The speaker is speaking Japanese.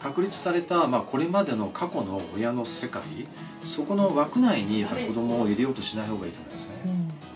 確立された、これまでの過去の親の世界、そこの枠内に子どもを入れようとしないほうがいいと思いますね。